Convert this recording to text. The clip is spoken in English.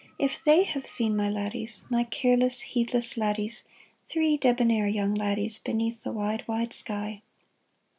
If they have seen my laddies, My careless, heedless laddies. Three debonair young laddies, Beneath the wide, wide sky ?